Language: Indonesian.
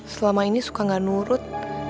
selama ini suka gak nurut